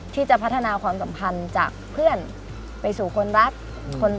ที่จะพัฒนาความสัมพันธ์จากเพื่อนไปสู่คนรัก